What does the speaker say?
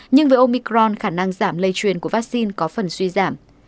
nhưng với omicron khả năng giảm lây truyền của vắc xin có phần suy giảm